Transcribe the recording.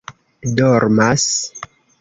dormas